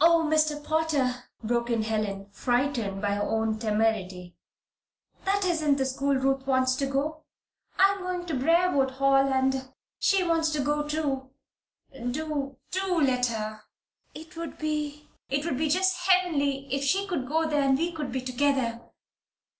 "Oh, Mr. Potter!" broke in Helen, frightened by her own temerity. "That isn't the school Ruth wants to go to. I am going to Briarwood Hall, and she wants to go, too. Do, do let her. It would be it would be just heavenly, if she could go there, and we could be together!"